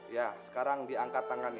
ya sekarang diangkat tangan